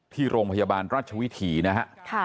ที่โรงพยาบาลราชวิถีนะฮะ